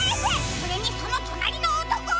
それにそのとなりのおとこは。